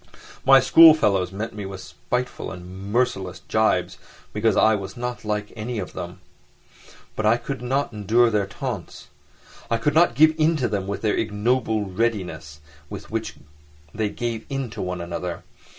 My schoolfellows met me with spiteful and merciless jibes because I was not like any of them. But I could not endure their taunts; I could not give in to them with the ignoble readiness with which they gave in to one another.